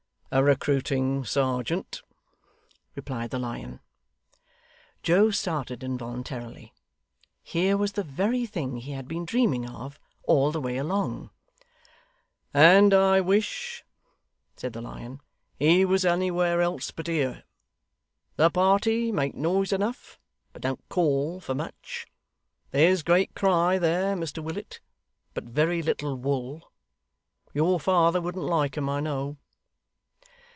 'A recruiting serjeant,' replied the Lion. Joe started involuntarily. Here was the very thing he had been dreaming of, all the way along. 'And I wish,' said the Lion, 'he was anywhere else but here. The party make noise enough, but don't call for much. There's great cry there, Mr Willet, but very little wool. Your father wouldn't like 'em, I know.